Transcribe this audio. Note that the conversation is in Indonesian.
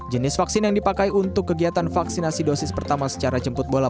jenis vaksin yang dipakai untuk kegiatan vaksinasi dosis pertama secara jemput bola